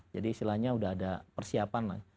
jadi istilahnya udah ada persiapan lah